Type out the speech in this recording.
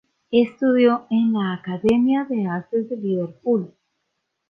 Estudió en la Academia de Artes de Liverpool.